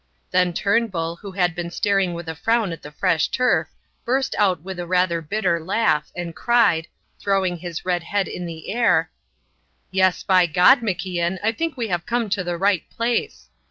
Then Turnbull, who had been staring with a frown at the fresh turf, burst out with a rather bitter laugh and cried, throwing his red head in the air: "Yes, by God, MacIan, I think we have come to the right place!"